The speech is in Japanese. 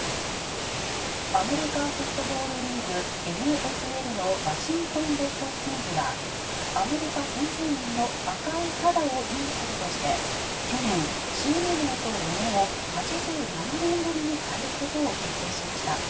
アメリカンフットボールリーグＮＦＬのワシントン・レッドスキンズはアメリカ先住民の赤い肌を意味するとして去年、チーム名とロゴを８７年ぶりに変えることを決定しました。